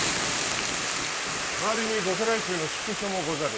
周りにご家来衆の宿所もござる。